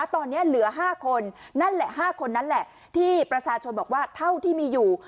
ตอนนี้เหลือ๕คนนั่นแหละ๕คนนั้นแหละที่ประชาชนบอกว่าเท่าที่มีอยู่